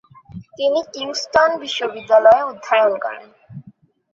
তিনি কিংস্টন বিশ্ববিদ্যালয়ে অধ্যয়ন করেন।